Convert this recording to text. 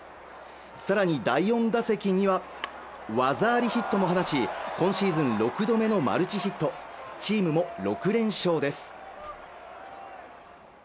さらに第４打席には技ありヒットを放ち今シーズン６度目のマルチヒットチームも６連勝です